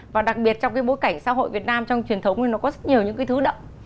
và đặc biệt trong cái bối cảnh xã hội việt nam trong truyền thống thì nó có rất nhiều những cái thứ động